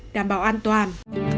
đảm bảo an toàn